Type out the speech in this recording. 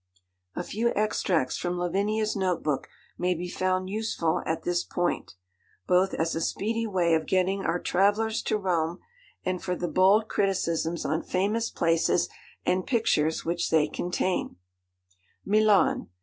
A few extracts from Lavinia's note book may be found useful at this point, both as a speedy way of getting our travellers to Rome, and for the bold criticisms on famous places and pictures which they contain: 'Milan.